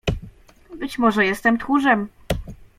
"Być może jestem tchórzem."